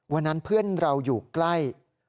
วันนั้นเพื่อนเราอยู่ใกล้